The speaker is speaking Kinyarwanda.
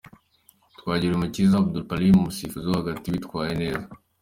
Twagirumukiza Abdoulkalim umusifuzi wo hagati witwaye neza.